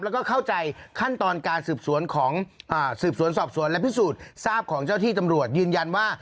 แล้วก็เข้าใจขั้นตอนการสืบสวนของสืบสวนสอบสวนและพิสูจน์ทราบของเจ้าที่ตำรวจยืนยันว่า